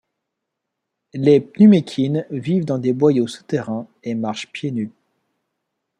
Les Pnumekins vivent dans des boyaux souterrains et marchent pieds nus.